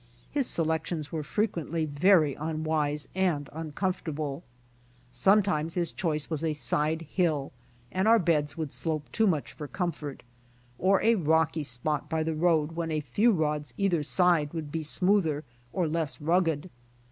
His selections were frequently very unwise and uncomfortable. Sometimes his choice was a side hill, and our beds would slope too much for comfort, or a rocky spot by the road when a few rods either side would be smoother or less rugged.